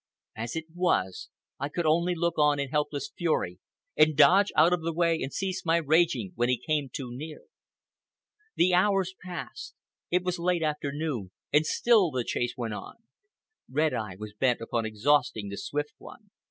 As it was, I could only look on in helpless fury, and dodge out of the way and cease my raging when he came too near. The hours passed. It was late afternoon. And still the chase went on. Red Eye was bent upon exhausting the Swift One.